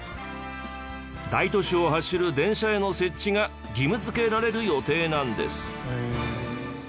大都市を走る電車への設置が義務付けられる予定なんです。